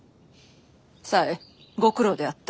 紗江ご苦労であった。